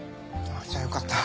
じゃあよかった。